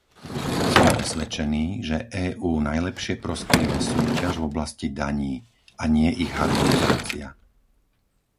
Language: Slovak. Som presvedčený, že EÚ najlepšie prospieva súťaž v oblasti daní a nie ich harmonizácia.